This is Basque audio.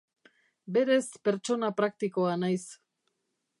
Berez pertsona praktikoa naiz.